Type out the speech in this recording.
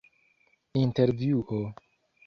intervjuo